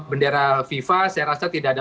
bendera fifa saya rasa tidak ada